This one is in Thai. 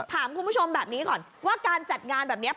ถามคุณผู้ชมแบบนี้ก่อนว่าการจัดงานแบบนี้